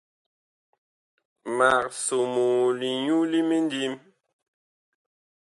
Mag somoo linyu limindim.